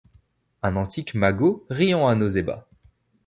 Un antique magot riant à nos ébats